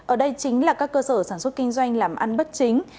ở đây chính là các cơ sở sản xuất kinh doanh làm ăn bất chính